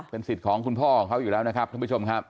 เป็นสิทธิ์ของคุณพ่ออ่ะเหรอครับทุกผู้ชมนะครับ